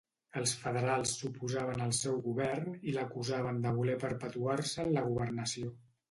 Els federals s'oposaven al seu govern, i l'acusaven de voler perpetuar-se en la governació.